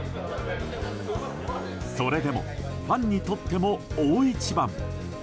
それでも、ファンにとっても大一番。